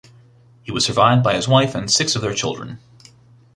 He was survived by his wife and six of their children.